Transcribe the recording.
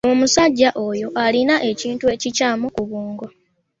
Omusajja oyo alina ekintu ekikyamu ku bwongo.